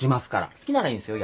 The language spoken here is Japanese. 好きならいいんすよ